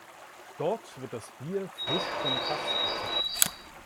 Dort wird das Bier frisch vom Fass gezapft.